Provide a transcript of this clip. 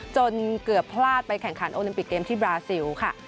จนเกือบพลาดไปแข่งขันโอลิมปิกเกมที่บราซิลค่ะ